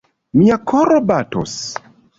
Mia koro batos!